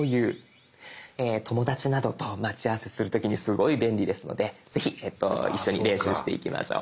友達などと待ち合わせする時にすごい便利ですのでぜひ一緒に練習していきましょう。